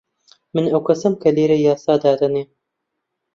من ئەو کەسەم کە لێرە یاسا دادەنێم.